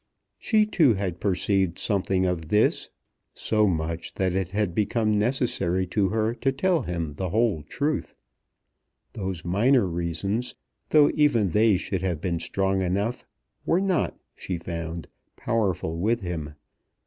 She too had perceived something of this, so much, that it had become necessary to her to tell him the whole truth. Those minor reasons, though even they should have been strong enough, were not, she found, powerful with him.